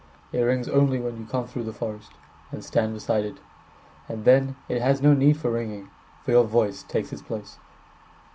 It rings only when you come through the forestAnd stand beside it. And then, it has no need for ringing, For your voice takes its place.